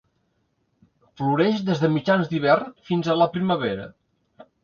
Floreix des de mitjans d'hivern fins a la primavera.